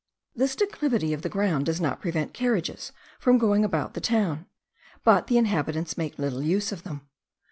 This declivity of the ground does not prevent carriages from going about the town; but the inhabitants make little use of them.